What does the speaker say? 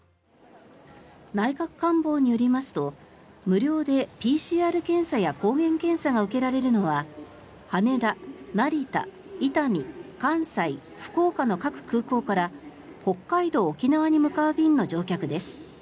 内閣官房によりますと無料でＰＣＲ検査や抗原検査が受けられるのは羽田、成田、伊丹関西、福岡の各空港から北海道、沖縄に向かう便の乗客です。